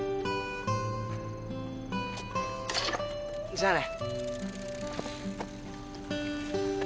じゃあね。